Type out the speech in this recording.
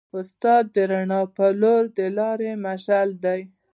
استاد د رڼا په لور د لارې مشعل دی.